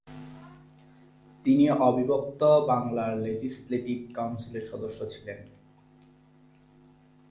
তিনি অবিভক্ত বাংলার লেজিসলেটিভ কাউন্সিলের সদস্য ছিলেন।